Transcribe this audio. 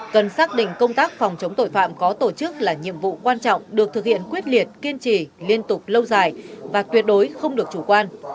cần xác định công tác phòng chống tội phạm có tổ chức là nhiệm vụ quan trọng được thực hiện quyết liệt kiên trì liên tục lâu dài và tuyệt đối không được chủ quan